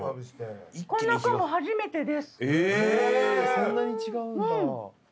そんなに違うんだ。